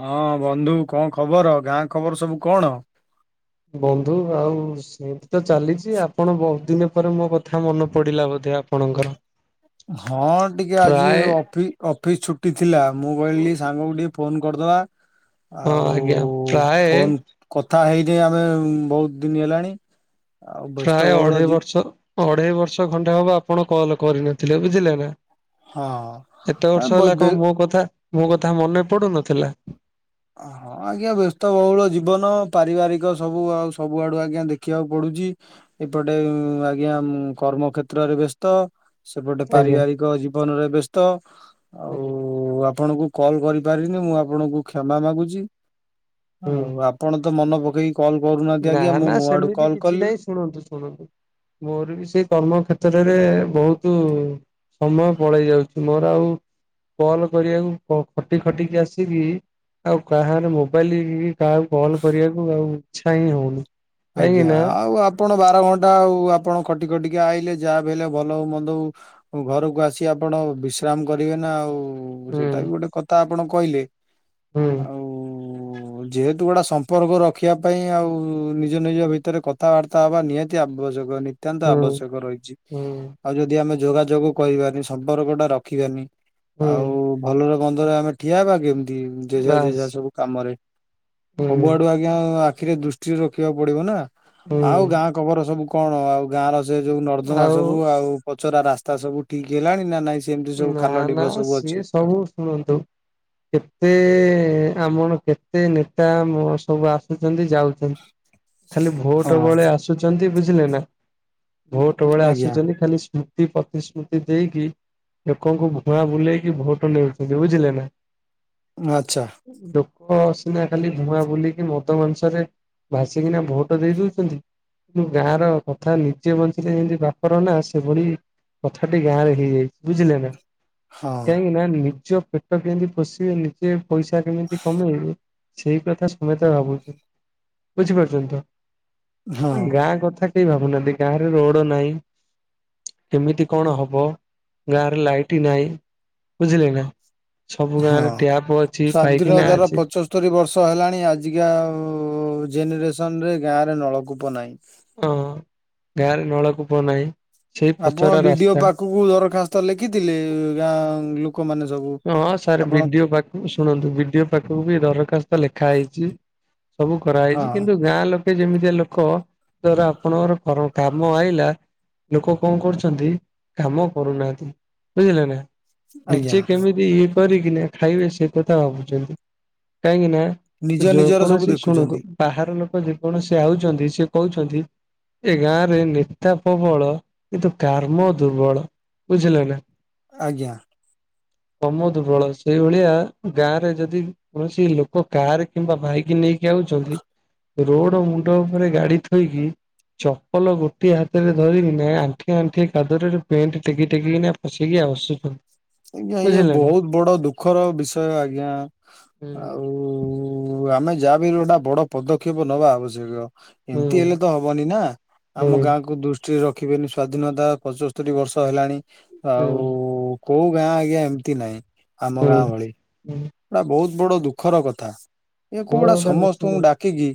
ହଁ ବନ୍ଧୁ, କଣ ଖବର, ଗାଁ ଖବର ସବୁ କଣ? ବନ୍ଧୁ ଆଉ ସେମିତି ତ ଚାଲିଚି, ଆପଣ ବହୁତ ଦିନ ପରେ ମୋ କଥା ମନେ ପଡିଲା ବୋଧେ, ଆପଣଙ୍କର? ହଁ, ଟିକେ ଆଜି ପ୍ରାୟ ଅଫି ଅଫିସ ଛୁଟି ଥିଲା, ମୁଁ କହିଲି ସାଙ୍ଗକୁ ଟିକେ ଫୋନ କରିଦେବା। ହଁ ଆଉ ଆଜ୍ଞା ପ୍ରାୟ ଫୋନ କଥା ହେଇନେ ଆମେ ବହୁତ ଦିନ ହେଲାଣି - ପ୍ରାୟ ଅଢେଇ ବର୍ଷ ଅଢେଇ ବର୍ଷ ଖଣ୍ଡେ ହବ ଆପଣ କଲ କରିନଥିଲେ ବୁଝିଲେ ନା। ହଁ ଏତେ ଆ, ବର୍ଷ ବ- ହେଲା ବେ- କଣ ମୋ କଥା ମୋ କଥା ମନେ ପଡୁନଥିଲା? [unintelligible] ଆଜ୍ଞା ବ୍ୟସ୍ତ ବହୁଳ ଜୀବନ ପାରିବାରିକ ସବୁ ଆଉ ସବୁଆଡୁ ଆଜ୍ଞା ଦେଖିବାକୁ ପଡୁଚି - ଏପଟେ ଉଁ ଆଜ୍ଞା କର୍ମ କ୍ଷେତ୍ରରେ ବ୍ୟସ୍ତ - ସେପଟେ ଆଜ୍ଞା ପାରିବାରିକ ଜୀବନରେ ବ୍ୟସ୍ତ ଆଉ ଆଜ୍ଞା ଉ ଆପଣଙ୍କୁ କଲ୍ କରିପାରିନି ମୁଁ ଆପଣଙ୍କୁ କ୍ଷମା ମାଗୁଚି ହୁଁ ଆଉ ଆପଣ ତ ମନ ପକେଇ କଲ୍ କରୁନାହାନ୍ତି ନା ଆଜ୍ଞା ମୁଁ ନା ମୋ ଆଡୁ ସେମିତି କଲ୍ କିଛି କଲି - ନାହିଁ ଶୁଣନ୍ତୁ ଶୁଣନ୍ତୁ ମୋର ବି ସେ କର୍ମ କ୍ଷତ୍ରରେ ବହୁତ ସମୟ ପଳେଇ ଯାଉଚି ମୋର ଆଉ କଲ କରିବାକୁ କ ଖଟି ଖଟିକି ଆସିକି ଆଉ କାହାର ମୋବାଇଲ ଇ - କାହାକୁ କଲ୍ କରିଆକୁ ଆଉ ଇଛା ହିଁ ହଉନି। କାହିଁକି ଆଜ୍ଞା ନା ଆଉ ଆପ ଆପଣ ବାର ଘଣ୍ଟା ଆଉ ଆପଣ ଖଟି ଖଟିକି ଆଇଲେ ଯାହାବି ହେଲେ ଭଲ ହଉ ମନ୍ଦ ହଉ ଘରୁକୁ ଆସି ଆପଣ ବିଶ୍ରାମ କରିବେ ନା ଆଉ। ହୁଁ ସେଟା ବି ଗୋଟେ କଥା ଆପଣ କଇଲେ, ହୁଁ ଆଉ ଉ ଯେହେତୁ ଗୁଡା ସମ୍ପର୍କ ରଖିବା ପାଇଁ ଆଉ ଉ ନି - ନିଜ ନିଜ ଭିତରେ କଥାବାର୍ତ୍ତା ହବା ନିହାତି ଆବଶ୍ୟକ ନତ୍ୟନ୍ତ ହୁଁ ଆବଶ୍ୟକ ରହିଚି ହୁଁ ଆଉ ଯଦି ଆମେ ଯୋଗାଯୋଗ କରିବାନି ସମ୍ପର୍କ ଟା ରଖିବାନି ହୁଁ ଆଉ ଭଲର ଗନ୍ଧରେ ଆମେ ଠିଆ ହେବା କେମିତି ଯେଝା ବାସ୍ ଯେଝା ସବୁ କାମରେ ହୁଁ ସବୁଆଡୁ ଆଜ୍ଞା ଆଖିରେ ଦୃଷ୍ଟିରେ ରଖିବାକୁ ପଡିବ ନା ହୁଁ ଆଉ ଗାଁ କବର ସବୁ କଣ ଆଉ ଗାଁ ର ସେ ଯୋଉ ନର୍ଦ୍ଦମା ସବୁ ଆଉ ପଚରା ରାସ୍ତା ସବୁ ଠିକ୍ ହେଲାଣି ନା ନାଇଁ ସେମିତି ସବୁ ନା ଖାଲ ଢିପ ନା ସବୁ ଅଛି। ସିଏ ସବୁ ଶୁଣନ୍ତୁ କେତେ ଆମର କେତେ ନେତା ମ ସବୁ ଆସୁଛନ୍ତି ଯାଉ [inaudible] ଖାଲି ହଁ ଭୋଟ ବେଳେ ଆସୁଛନ୍ତି ବୁଝିଲେ ନା - ଭୋଟ ବେଳେ ଆଜ୍ଞା ଆସୁଛନ୍ତି ଖାଲି ସ୍ମୃତି ପ୍ରତିଶମୃତି ଦେଇକି ଲୋକଙ୍କୁ ଭୁଆଁ ବୁଲେଇକି ଭୋଟ ନେଉଛନ୍ତି ବୁଝିଲେ ନା। ଆଚ୍ଛା। ଲୋକ ସିିନା ଖାଲି ଧୂଆଁ ବୁଲିକି ମଦ ମାଂସରେ ଭାସିକିନା ଭୋଟ ଦେଇ ଦଉଚନ୍ତି କିନ୍ତୁ ଗାଁ ର କଥା ନିଜେ ବଞ୍ଚିଲେ ଯେମତି ବାପର ନା ସେଭଳି କଥାଟି ଗାଁରେ ହେଇଯାଇଚି। ବୁଝିଲେ ନା ହଁ କାହିଁକି ନା ନିଜ ପେଟ କେମିତି ପୋଷିବେ ନିଜେ - ନିଜେ ପଇସା କେମିତି କମେଇବେ - ସେଇ କଥା ସମେତ ଭାବୁଚୁ ବୁଝି ପାରୁଛନ୍ତି ହଁ ତ ଗାଁ କଥା କେଇ ଭାବୁ ନାହାନ୍ତି ଗାଁରେ ରୋଡ ନାହିଁ କେମିତି କଣ ହବ - ଗାଁରେ ଲାଇଟ ନାଇଁ ବୁଝିଲେ ନା - ସବୁ ଗାଁରେ ହଁ। ଟ୍ୟାପ ଅଛି ପାଇଖେନା ଅଛି - ସତରୀ ବର୍ଷ ହେଲାଣି ଆଜିକା ଆଉ ଜେନେରେସନରେ ଗାଁ ରେ ନଳକୂପ ନାଇଁ - ଅଁ ଗାଁରେ ନଳକୂପ ନାହିଁ, ସେଇ ଆପଣ ପଚରା ରାସ୍ତା - [unintelligible] ଦରଖାସ୍ତ ଲେଖିଥିଲି ଗାଁ ଲୋ - ଲୋକମାନେ ସବୁ ହଁ ସାର୍ ଆପଣ ବିଡିଓ ପାକ୍ - ଶୁଣନ୍ତୁ ବିଡିଓ ପାଖୁକୁ ବି ଦରଖାସ୍ତ ଲେଖା ହେଇଚି ସବୁ କରା ହେଇଚି ହଁ। କିନ୍ତୁ ଗାଁ ଲୋକ ସେ ଯେମିତିଆ ଲୋକ ଧର ଆପଣଙ୍କର କର କାମ ଆଇଲା ଲୋକ କଣ କରୁଛନ୍ତି କାମ କରୁନାହାନ୍ତି ବୁଝିଲେ ନା ଆଜ୍ଞା ନିଜେ ଯଦି ଇଏ କରିକିନା ଖାଇବେ ସେ କଥା ଭାବୁଛନ୍ତି କାହିଁକି ନା ନିଜ ନିଜର ସବୁ ଯେକୌଣସି ଶୁଣନ୍ତୁ ଦେଖୁଛନ୍ତି ବାହାର ଲୋକ ଯେକୌଣସି ଆଉଛନ୍ତି ସେ କହୁଛନ୍ତି। ଏ ଗାଁ ରେ ନେତା ପ୍ରବଳ କିନ୍ତୁ କାର୍ମ ଦୁର୍ବଳ ବୁଝିଲେ ନା। ଆଜ୍ଞା। କର୍ମ ଦୁର୍ବଳ ସେଇଭଳିଆ ଗାଁ ରେ ଯଦି କୌଣସି ଲୋକ କାହାର କିମ୍ବା ଭାଇକି ନେଇକି ଆଉଛନ୍ତି ରୋଡ ମୁଣ୍ଡ ଉପରେ ଗାଡି ଥୋଇକି ଚପଲ ଗୋଟିଏ ହାତରେ ଧରିକି ନା ଆଣ୍ଠିଆ ଆଣ୍ଠିଆ କାଦୁଅ ରେ ପେଣ୍ଟ ଟେକି ଟେକିନା [unintelligible] ଆଜ୍ଞା ଇଏ ବହୁତୁ ବଡ ଦୁଃଖର ବିଷୟ ଆଜ୍ଞା ହୁଁ ଆଉ। ଉ ଆମେ ଯାହା ବି ହେଲେ ଗୋଟେ ବଡ ପଦକ୍ଷେପ ନବା ଆବଶ୍ୟକ। ହୁଁ ଏମିତି ହେଲେ ତ ହବନି ନା ହୁଁ ଆମ ଗାଁକୁ ଦୁଷ୍ ସେ ରଖିବେନି ସ୍ଵାଧୀନତା ପଞ୍ଚସ୍ତରୀ ବର୍ଷ ହେଲାଣି ଆଉ କୋଉ ଗାଁ ଆଜ୍ଞା ଏମିତି ନାହିଁ ଆମ ହୁଁ ଗାଁ ଭଳି। ହୁଁ ଏଟା ବହୁତ ବଡ ଦୁଃଖର କଥା ଏକୁ ଗୁଡା ମୋର ଗୋଟେ ସମସ୍ତଙ୍କୁ ଡାକିକି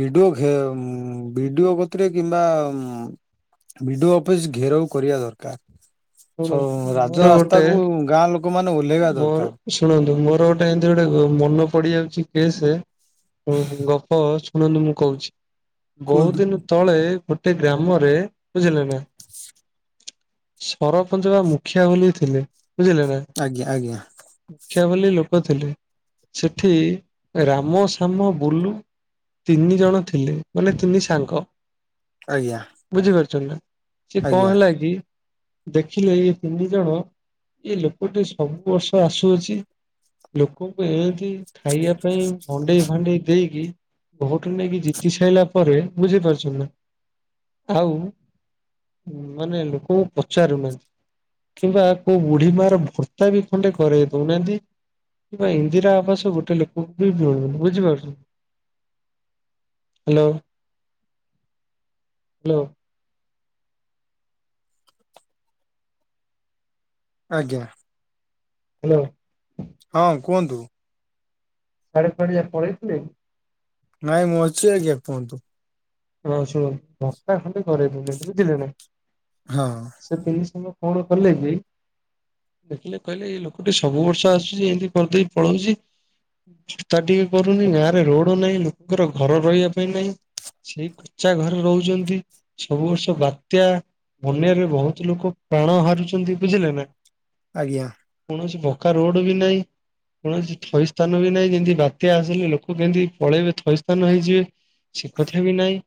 ବିଡିଓ ଘେଁ ଭିଡିଓ କତିରେ କିମ୍ବା ଭିଡିଓ ଅଫିସ ଘେରାଉ କରିବା ଦରକାର। ଶୁଣନ୍ତୁ ଛ ଶୁଣନ୍ତୁ ମୋର ରାଜ ଗୋଟେ ରାସ୍ତାକୁ ଗାଁ ଲୋକ ମାନେ ଓଲେଇବା ମୋର ଦରକାର। ଶୁଣନ୍ତୁ ମୋର ଗୋଟେ ଏମିତି ଗୋଟେ ମନ ପଡିଯାଉଚି। କିଏ ସେ ଗପ ଶୁଣନ୍ତୁ ମୁଁ କହୁଛି ବହୁତ କୁହନ୍ତୁ। ଦିନେ ତଳେ ଗୋଟେ ଗ୍ରାମରେ ବୁଝିଲେ ନା? ସରପଞ୍ଚ ବା ମୁଖିଆ ବୋଲି ଥିଲେ ବୁଝିଲେ ନା? ଆଜ୍ଞା ଆଜ୍ଞା ମୁଖିଆ ବୋଲି ଲୋକ ଥିଲେ ସେଠି ରାମ, ସାମ, ବୁଲୁ ତିନି ଜଣ ଥିଲେ ମାନେ ତିନି ସାଙ୍ଗ। ଆଜ୍ଞା। ବୁଝିପାରୁଛନ୍ତି ନା ସିଏ ଆଜ୍ଞା କଣ ହେଲା କି ଦେଖିଲେ ଏଇ ତିନି ଜଣ ଏଇ ଲୋକଟି ସବୁ ବର୍ଷ ଆସୁଅଛି। ଲୋକଙ୍କୁ ଏମିତି ଖାଇବା ପାଇଁ ଭଣ୍ଡେଇ ଭାଣ୍ଡେଇ ଦେଇକି ଭୋଟ ନେଇକି ଜିତି ସାରିଲା ପରେ ବୁଝିପାରୁଛନ୍ତି ନା? ଆଉ ମାନେ ଲୋକଙ୍କୁ ପଚାରୁନାହାନ୍ତି। କିମ୍ବା କୋଉ ବୁଢୀ ମା ର ଭର୍ତ୍ତା ବି ଖଣ୍ଡେ କରେଇ ଦଉନାହାନ୍ତି। କିମ୍ବା ଇନ୍ଦିରା ଆବାସ ଗୋଟେ ଲୋକଙ୍କୁ ବି ମିଳୁନି ବୁଝିପାରୁଛ? Hello hello. ଆଜ୍ଞା। ହ୍ୟାଲୋ। ହଁ କୁହନ୍ତୁ। ସାଢେ କୁଆଡେ ପଳେଇଥିଲେ କି? ନାଇଁ ମୁଁ ଅଛି ଆଜ୍ଞା କୁହନ୍ତୁ। ହଁ ଶୁଣ ଭତ୍ତା ଖଣ୍ଡେ କରେଇ ଦେଲେନି ବୁଝିଲେ ନା? ହଁ। ସେ [unintelligible] ଦେଖିଲେ କହିଲେ ଏଇ ଲୋକଟି ସବୁ ବର୍ଷ ଆସୁଛି ଏମିତି କରିଦେଇ ପଳଉଛି। ଚିନ୍ତା ଟିକେ କରୁନି ଗାଁରେ ରୋଡ ନାହିଁ ଲୋକଙ୍କର ଘର ରହିବା ପାଇଁ ନାହିଁ। ସେଇ କଚା ଘରେ ରହୁଛନ୍ତି ସବୁ ବର୍ଷ ବାତ୍ୟା। ବନ୍ୟାରେ ବହୁତୁ ଲୋକ ପ୍ରାଣ ହାରୁଚନ୍ତି ବୁଝିଲେ ନା? ଆଜ୍ଞା। କୌଣସି ପକା ରୋଡ ବି ନାଇଁ। କୌଣସି ଥଇ ସ୍ଥାନ ବି ନାହିଁ। ଯେମିତି ବାତ୍ୟା ଆସିଲେ ଲୋକ କେମିତି ପଳେଇବେ ଥଇ ସ୍ଥାନ ହେଇଯିବେ। ସେ କଥା ବି ନାଇଁ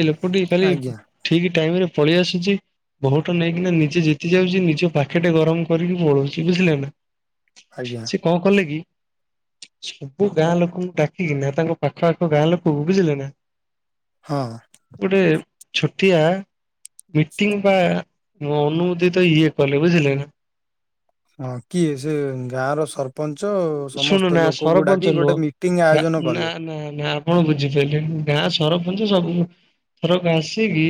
ଏ ଲୋକଟି କାଲି ଆଜ୍ଞା ଠିକି ଟାଇମି ରେ ପଳି ଆସିଚି। ଭୋଟ ନେଇକିନା ନିଜେ ଜିତି ଯାଉଚି ନିଜ ପାଖେ ଟେ ଗରମ କରିକି ପଳଉଚି ବୁଝିଲେ ନା। ଆଜ୍ଞା। କି କଣ କଲେ କି? ସବୁ ଗାଁ ଲୋକଙ୍କୁ ଡାକିକିନା ତାଙ୍କ ପାଖଆଖ ଗାଁ ଲୋକକୁ ବୁଝିଲ ନା? ହଁ। ଗୋଟେ ଛୋଟିଆ ମିଟିଂ ବା ମୋ ଅନୁଭୂତି ତ ଇଏ କଲେ ବୁଝିଲ ନା? ହଁ କିଏ ସେ ଗାଁ ର ସର ସରପଞ୍ଚ ଶୁଣୁ ସମସ୍ତେ ନା ଲୋକଙ୍କୁ ସରପଞ୍ଚ ଡାକି ନୁହଁ। ଗୋଟେ ମିଟିଂ ଆୟୋଜନ ନା କଲେ। ନା ନା କଣ ବୁଝି ପାରିଲିନି ଗାଁ ସରପଞ୍ଚ ସବୁ ଥରକ ଆସିକି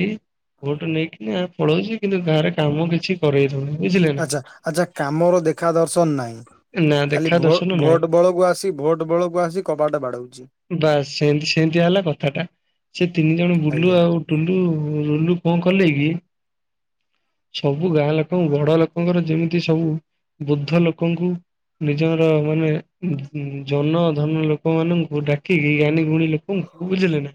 ଭୋଟ ନେଇକିନା ପଳଉଚି କିନ୍ତୁ ଗାଁରେ କାମ କିଛି କରେଇ ଦଉନି ବୁଝିଲେ ନା? ଆଚ୍ଛା ଆଚ୍ଛା କାମର ଦେଖା ଦର୍ଶନ ନାଇଁ ନା ଖାଲି ଦେଖା ଦର୍ଶନ ଭୋଟ ନାହିଁ ଭୋଟ ବେଳକୁ ଆସି ଭୋଟ ବେଳକୁ ଆସି କବାଟ ବାଡ଼ଉଚି। ବାସ୍ ସେନ୍ତେ ସେଏନ୍ତିଆ ହେଲା କଥାଟା ସେ ତିନି ଜଣ ଆଜ୍ଞା। ବୁଲୁ ଆଉ ଟୁଲୁ ଲୁଲୁ କଣ କଲେ କି ସବୁ ଗାଁ ଲୋକଙ୍କୁ ବଡ ଲୋକଙ୍କର ଯେମିତି ସବୁ ବୁଦ୍ଧ ଲୋକଙ୍କୁ ନିଜର ମାନେ ଜନ ଧନ ଲୋକ ମାନଙ୍କୁ ଡାକିକୀ ଗାନୀ ଗୁଣୀ ଲୋକଙ୍କୁ ବୁଝିଲେ ନା?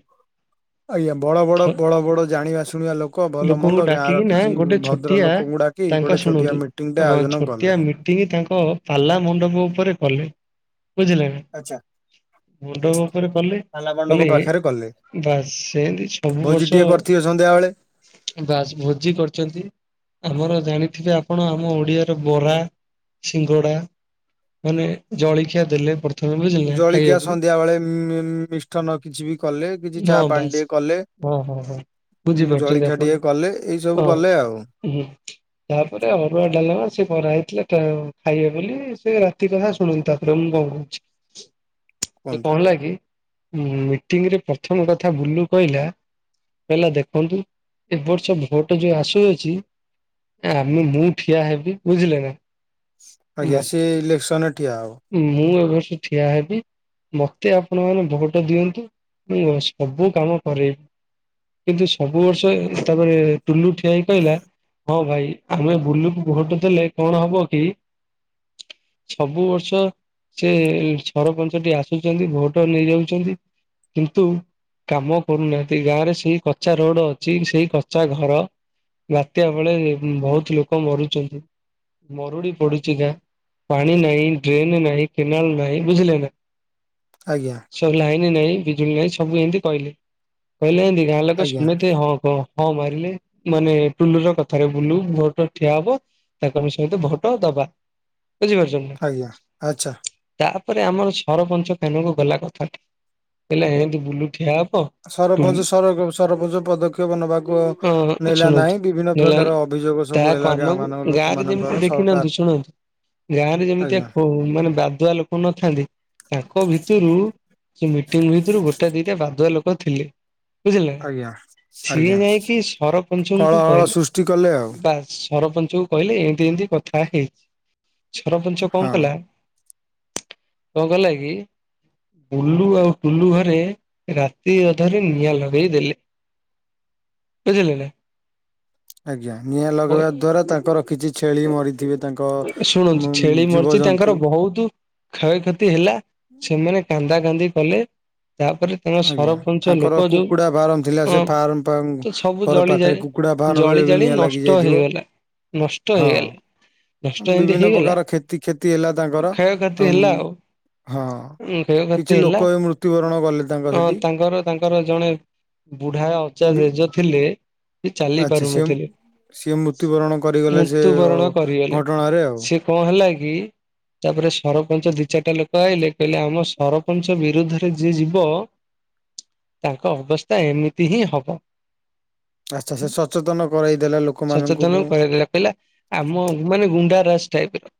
ଆଜ୍ଞା ବଡ ବଡ ବଡ ବଡ ଜାଣିବା ଶୁଣିବା ଲୋକ ଭଲ ଲୋକଙ୍କୁ ମନ୍ଦ ଡାକିକି ଗାଁର ନା କିଛି ଗୋଟେ ଭଦ୍ର ଛୋଟିଆ ଲୋକଙ୍କୁ ଡାକି ତାଙ୍କ ଗୋଟେ ଛୋଟିଆ ଶୁଣନ୍ତୁ ମିଟିଂ ଟେ ହଁ ଆୟୋଜନ କଲେ ଛୋଟିଆ ମି ମିଟିଙ୍ଗି ତାଙ୍କ ପାଲା ମଣ୍ଡପ ଉପରେ କଲେ ବୁଝିଲେ ନା? ଅଚା। ମଣ୍ଡପ ଉପରେ କଲେ କଲେ ପାଖରେ କଲେ ବାସ୍ ସେମିତି ସବୁ ଭୋଜି ବର୍ଷ ଟିକେ କରିଥିବେ ସନ୍ଧ୍ୟାବେଳେ ବାସ୍ ଭୋଜି କରିଚନ୍ତି। ଆମର ଜାଣିଥିବେ ଆପଣ ଆମ ଓଡିଆର ବରା ସିଙ୍ଗଡ଼ା ମାନେ ଜଳଖିଆ ଦେଲେ ପ୍ରଥମେ ବୁଝିଲେ ଖାଇବାକୁ? ସନ୍ଧ୍ୟା ବେଳେ ମିଷ୍ଟନ କିଛି ବି କଲେ କିଛି ଚା ହଁ ପାଣି ବାସ୍ ଟିକେ କଲେ। ହଁ ହଁ ହଁ। ବୁଝିପାରୁଛନ୍ତି ଜଳିଖିଆ ଆପଣ ଟିକେ କଲେ ଏଇ ସବୁ କଲେ ହଁ ଆଉ। ହୁଁ। ତାପରେ ଅରୁଆ ଡାଲମା ସିଏ କରା ହେଇଥିଲା ଖାଇବେ ବୋଲି ସେ ରାତି କଥା ଶୁଣନ୍ତା। [unintelligible] ସେ କୁହନ୍ତୁ କଣ ହେଲାକି ମିଟିଂରେ ପ୍ରଥମ କଥା ବୁଲୁ କଇଲା କହିଲା ଦେଖନ୍ତୁ ଏ ବର୍ଷ ଭୋଟ ଯୋଉ ଆସୁଅଛି ଆମେ ମୁଁ ଠିଆ ହେବି ବୁଝିଲେ ନା? ମ ଆଜ୍ଞା ସିଏ ଇଲେକ୍ସନ ରେ ଠିଆ ହବ। ମୁଁ ଏ ବର୍ଷ ଠିଆ ହେବି। ମତେ ଆପଣ ମାନେ ଭୋଟ ଦିଅନ୍ତୁ ମୁଁ ସବୁ କାମ କରେଇବି। କିନ୍ତୁ ସବୁ ବର୍ଷ ତାପରେ ଟୁଲୁ ଠିଆ ହେଇ କହିଲା। ହଁ ଭାଇ ଆମେ ବୁଲୁ କୁ ଭୋଟ ଦେଲେ କଣ ହବ କି? ସବୁ ବର୍ଷ ସେ ସରପଞ୍ଚ ଟି ଆସୁଛନ୍ତି ଭୋଟ ନେଇଯାଉଛନ୍ତି। କିନ୍ତୁ କାମ କରୁନାହାନ୍ତି ଗାଁ ରେ ସେଇ କଚା ରୋଡ ଅଛି ସେଇ କଚା ଘର। ବାତ୍ୟା ବେଳେ ବହୁତ ଲୋକ ମରୁଛନ୍ତି ମରୁଡି ପଡୁ ତିକା ପାଣି ନାହିଁ ଡ୍ରେନ ନାହିଁ କେନାଲ ନାହିଁ ବୁଝିଲେ ନା? ଆଜ୍ଞା। ସବୁ ଲାଇନ ନାହିଁ ବିଜୁଳି ନାହିଁ ସବୁ ଏମତି କହିଲେ କହିଲେ ଯେମିତି ଗାଁ ଲୋକ ଆଜ୍ଞା ସମେତେ ହଁ କହ। ହଁ ମାରିଲେ ମାନେ ଟୁଲୁ ର କଥାରେ ବୁଲୁ ଭୋଟ ଠିଆ ହବ। ତାକୁ ଆମେ ସମେତେ ଭୋଟ ଦବା। ବୁଝିପାରୁଛ ନା? ଆଜ୍ଞା ଆଚ୍ଛା। ତାପରେ ଆମର ସରପଞ୍ଚ କାନକୁ ଗଲା କଥା ଟା ହେଲେ ଏମତି ବୁଲୁ ଠିଆ ହବ। ସରପଞ୍ଚର ସରପଞ୍ଚ ପଦକ୍ଷେପ ନେବାକୁ ଅ ନେଲା ଶୁଣନ୍ତୁ ନାହିଁ ବିଭିନ୍ନ ନେଲାନି ପ୍ରକାର ଅଭିଯୋଗ। ତା ସବୁ ଏଲା ଗାଁ କାନକୁ ମାନଙ୍କ ଗାଁ ରେ ଯେମିତି ଲୋକମାନାନଙ୍କର ଦେଖିନାହାନ୍ତି ସରକାର। ଶୁଣନ୍ତୁ ଗାଁ ରେ ଯେମିତିଆ ଆଜ୍ଞା କ ମାନେ ବାଧୁଆ ଲୋକ ନଥାନ୍ତି ତାଙ୍କ ଭିତରୁ ସେ ମିଟିଂ ଭିତରୁ ଗୋଟା ଦିଟା ବାଧୁଆ ଲୋକ ଥିଲେ। ବୁଝିଲେ ଆଜ୍ଞା ସିଏ ଆଜ୍ଞା ଯାଇକି ସରପଞ୍ଚଙ୍କୁ କଳହଳ କହିଲେ ସୃଷ୍ଟି କଲେ ଆଉ ବାସ୍ ସରପଞ୍ଚ କୁ କହିଲେ ଏମିତି ଏମତି କଥା ହେଇଛି ସରପଞ୍ଚ ହଁ। କଣ କଲା କଣ କଲା କି ବୁଲୁ ଆଉ ଟୁଲୁ ଘରେ ରାତି ଅଧରେ ନିଆଁ ଲଗେଇ ଦେଲେ। ବୁଝିଲେ ନା? ଆଜ୍ଞା ନିଆଁ ଲଗେଇବା ଦ୍ଵାରା ତାଙ୍କର କିଛି ଛେଳି ମରିଥିବେ। ତାଙ୍କ ଉଁ ଶୁଣନ୍ତୁ ଛେଳି ମର୍ଚି ଜୀବଜନ୍ତୁ ତାଙ୍କର ବହୁତୁ କ୍ଷୟକ୍ଷତି ହେଲା ସେମାନେ କାନ୍ଦା କାନ୍ଦି କଲେ ତାପରେ ତାଙ୍କ ଆଜ୍ଞା ସରପଞ୍ଚ ତାଙ୍କର ଲୋକ ଯୋଉ କୁକୁଡା ଫାର୍ମ ଥିଲା ସେ ଅ ଫାର୍ମ ପା ତ ସବୁ ଘର ପାଖରେ ଜଳିଯାଏ। କୁକୁଡା ଫାର୍ମରେ ଜଳି ବି ଜାଳି ନିଆଁ ଲାଗି ନଷ୍ଟ ଯାଇଥିବ ହେଇଗଲା ନଷ୍ଟ ହଁ ହେଇଗଲା। ନଷ୍ଟ ଏମିତି ବିଭିନ୍ନ ହେଇଗଲା ପ୍ରକାର କ୍ଷତି କ୍ଷତି ହେଲା ତାଙ୍କର କ୍ଷୟକ୍ଷତି ଉ ହେଲା ଆଉ କ୍ଷୟକ୍ଷତି ହେଲା ମୃତ୍ୟୁବରଣ କଲେ ତାଙ୍କ ଅ ସେଠି ତାଙ୍କର ତାଙ୍କର ଜଣେ ବୁଢା ଅଜା ବି ଜେଜ ଥିଲେ ସେ ଚାଲି ଆଚ୍ଛା ସିଏ ପାରୁନଥିଲେ। ସିଏ ମୃତ୍ୟୁବରଣ କରିଗଲେ ସେ ଘଟଣାରେ ଆଉ। ସେ କଣ ହେଲା କି ତାପରେ ସରପଞ୍ଚ ଦି ଚାରିଟା ଲୋକ ଆଇେ କହିଲେ ଆମ ସରପଞ୍ଚ ବିରୁଦ୍ଧରେ ଯିଏ ଯିବ। ତାଙ୍କ ଅବସ୍ଥା ଏମିତି ହିଁ ହବ। ଆଚ୍ଛା ସେ ସଚେତନ କରାଇଦେଲେ ଲୋକମାନଙ୍କୁ କୁ। [unintelligible] କହିଲା। ଆମ ମାନେ ଗୁଣ୍ଡାରସ ଟାଇପ ର।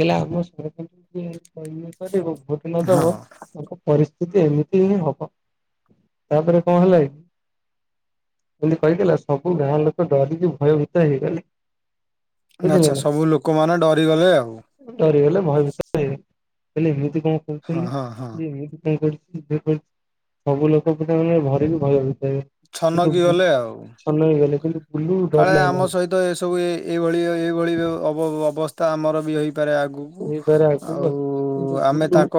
ହେଲେ ଆମ ସରପଞ୍ଚ [unintelligible] ଭୋଟ ହଁ ନଦବ ତାଙ୍କ ପରି। ସେ ଏମିତି ହିଁ ହବ ତାପରେ କଣ ହେଲା କି ଏମିତି କହିଥିଲା ସବୁ ଗାଁ ଲୋକ ଡରିକି ଭୟଭୀତ ହେଇଗଲେ। ବୁଝିଲେ ଆଚ୍ଛା ନା ସବୁ ଲୋକମାନେ ଡରିଗଲେ ଆଉ। ଡରିଗଲେ ଭୟଭୀତ ହେଇଗଲେ ହେଲେ ଏମିତି କଣ ହଁ କରୁଛନ୍ତି ହଁ ହଁ ଯେ ଏମିତି କଣ କରୁଛି। [unintelligible] ସବୁ ଲୋକ ପୁରା ଡ଼ରିକି ଭୟବିତ୍ତ ହେଇଗଲେ। କିନ୍ତୁ ଛନକି ବୁ ଗଲେ ଆଉ। ଛନ ହେଇଗଲେ କିନ୍ତୁ ବୁଲିବୁ ଡ଼ରିଲା ନାହିଁ। ତ ଏସବୁ ଏ ଏଇଭଳି ଏଇଭଳି ଅବ ଅବସ୍ଥା ଆମର ବି ହେଇପାରେ ଆଗକୁ। ହେଇ ପାରେ ଆଗୁକୁ ଆଉ। ଆମେ ବୁଲୁ ତାଙ୍କ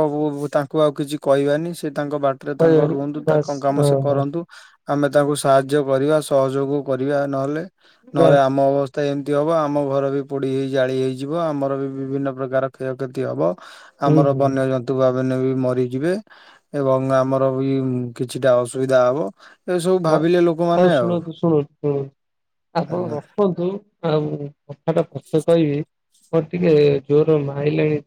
ତାଙ୍କୁ ଆଉ କିଛି କହିବାନି ସେ ତାଙ୍କ ବାଟରେ ତାଙ୍କ କହିଗଲେ ରୁହନ୍ତୁ ବାସ୍ ତାଙ୍କ କାମ ହଁ ସେ ବାସ୍ କରନ୍ତୁ। ଆମେ ତାଙ୍କୁ ସାହାଯ୍ୟ କରିବା ସହଯୋଗ କରିବା ନହେଲେ, ନହେଲେ ବାସ୍ ଆମ ଅବ ତ ଏମିତି ହବ ଆମ ଘର ବି ପୋଡ଼ି ହେଇ ଜାଳି ହେଇଯିବ ଆମର ବି ବିଭିନ୍ନ ପ୍ରକାର କ୍ଷୟକ୍ଷତି ହବ। ହୁଁ ଆମର ହୁଁ ବନ୍ୟଜନ୍ ତୁବା ଭିନ୍ନ ବି ମରିଯିବେ ଏବଂ ଆମର ବି କିଛିଟା ଅସୁବିଧା ହବ। ଏସବୁ ହ ଭାବିଲେ ହ ଲୋକମାନେ ଆଉ ଶୁଣନ୍ତୁ ଶୁଣନ୍ତୁ ଶୁଣନ୍ତୁ ଆପଣ ଆଜ୍ଞା। ରଖ ନ୍ତୁ ଉଁ ଆଁ କଥା ଟା ଫଛେ କହିବି ମୋର ଟିକେ ଜୋରରେ ମାଇଲାଣି ଝା